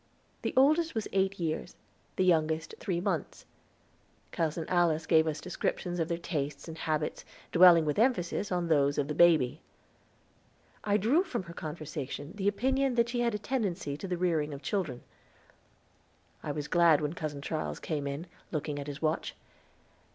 The oldest was eight years, the youngest three months. Cousin Alice gave us descriptions of their tastes and habits, dwelling with emphasis on those of the baby. I drew from her conversation the opinion that she had a tendency to the rearing of children. I was glad when Cousin Charles came in, looking at his watch.